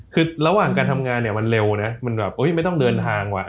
คือระหว่างการทำงานเนี่ยมันเร็วนะมันแบบไม่ต้องเดินทางว่ะ